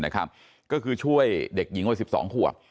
ก็คือช่วยเด็กหญิงวัย๑๒ขวบ